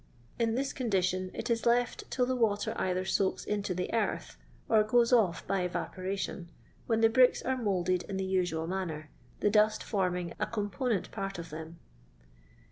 In this condition it is left till the water dther soaks into the earth, or goes off by evaporation, when the bricks are moulded in the usual manner, the dust forming a compo nent part of them.